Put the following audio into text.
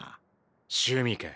趣味か。